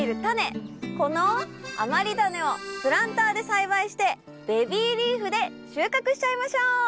この余りダネをプランターで栽培してベビーリーフで収穫しちゃいましょう！